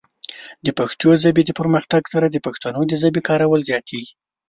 د پښتو ژبې د پرمختګ سره، د پښتنو د ژبې کارول زیاتېږي.